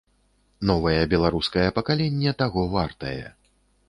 Новае беларускае пакаленне таго вартае.